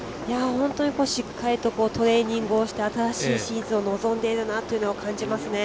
本当にしっかりとトレーニングをして新しいシーズンを臨んでいるなと感じますね。